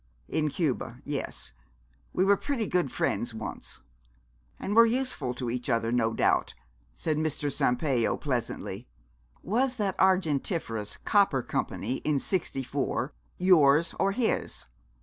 'In Cuba; yes, we were pretty good friends once.' 'And were useful to each other, no doubt,' said Mr. Sampayo, pleasantly. 'Was that Argentiferous Copper Company in sixty four yours or his?'